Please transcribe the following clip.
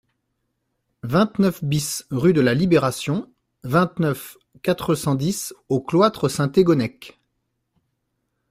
vingt-neuf BIS rue de La Libération, vingt-neuf, quatre cent dix au Cloître-Saint-Thégonnec